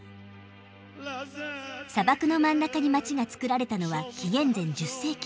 砂漠の真ん中に街がつくられたのは紀元前１０世紀。